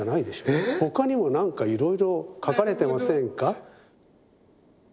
えっ？他にもなんかいろいろ描かれてませんか？